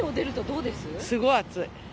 すごい暑い。